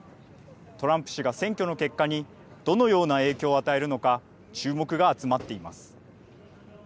トランプ氏が選挙の結果にどのような影響を与えるのか、注目が集まっています。